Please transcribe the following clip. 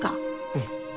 うん。